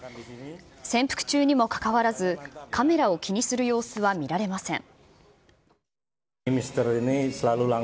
潜伏中にもかかわらず、カメラを気にする様子は見られません。